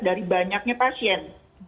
dari banyaknya pasien